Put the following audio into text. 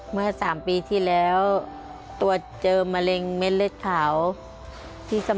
เมื่อสามปีที่แล้วตัวเจอมะเร็งในเล็กคาวที่สมอง